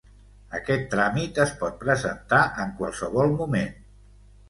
Aquest tràmit es pot presentar en qualsevol moment.